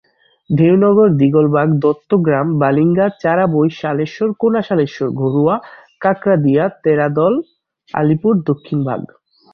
Dheunagar, Digalbak, Duttagram, Balinga, Charabai, শালেশ্বর, কোনাশালেশ্বর, ঘড়ুয়া, Kakardia, Teradal, Alipur, দক্ষিণভাগ।